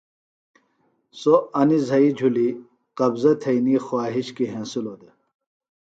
سوۡ انیۡ زھئی جھلی قبضہ تھئنی خواہش کی ہینسِلوۡ دےۡ